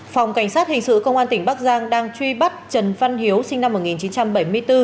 phòng cảnh sát hình sự công an tỉnh bắc giang đang truy bắt trần văn hiếu sinh năm một nghìn chín trăm bảy mươi bốn